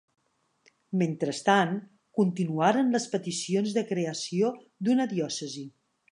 Mentrestant, continuaren les peticions de creació d'una diòcesi.